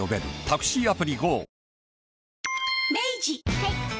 はい。